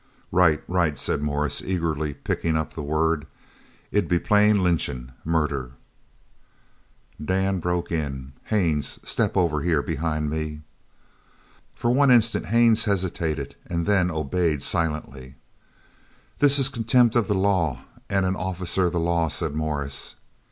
"Right right," said Morris, eagerly picking up the word. "It'd be plain lynchin' murder " Dan broke in: "Haines, step over here behind me!" For one instant Haines hesitated, and then obeyed silently. "This is contempt of the law and an officer of the law," said Morris.